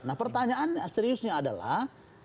nah pertanyaan seriusnya adalah